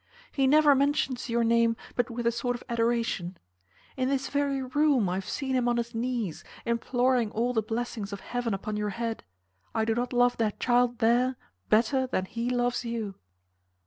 He never mentions your name but with a sort of adoration. In this very room I have seen him on his knees, imploring all the blessings of heaven upon your head. I do not love that child there better than he loves you."